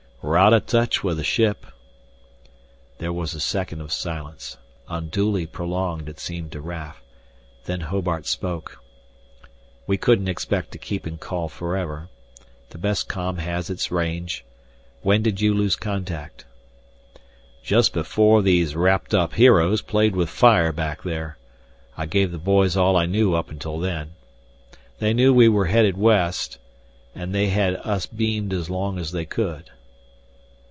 "We're out of touch with the ship " There was a second of silence, unduly prolonged it seemed to Raf. Then Hobart spoke: "We couldn't expect to keep in call forever. The best com has its range. When did you lose contact?" "Just before these wrapped up heroes played with fire back there. I gave the boys all I knew up until then. They know we were headed west, and they had us beamed as long as they could."